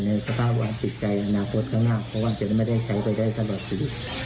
ในสภาพวาสิทธิ์ใจอนาคตข้างหน้าเพราะว่าจะไม่ได้ใช้ไปได้ตลอดชีวิต